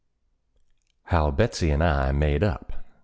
HOW BETSEY AND I MADE UP.